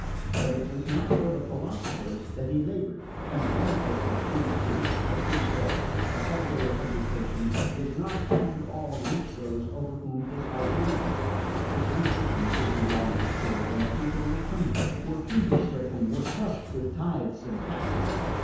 But it was not for the philosophers that he laboured; and the benefits of free speech, a free press, a secular education did not, after all, reach those over whom his heart yearned. It was the people he longed to serve; and the people were hungry, were fever stricken, were crushed with tithes and taxes.